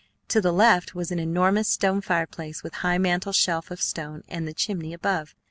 To the left was an enormous stone fireplace with high mantel shelf of stone and the chimney above.